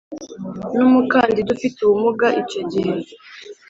N umukandida ufite ubumuga icyo gihe